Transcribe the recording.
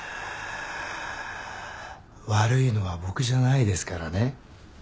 悪いのは僕じゃないですからね。